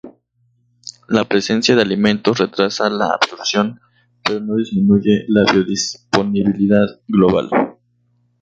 La presencia de alimentos retrasa la absorción, pero no disminuye la biodisponibilidad global.